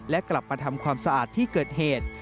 และกลับมาทำความสะอาดที่เกิดเหตุ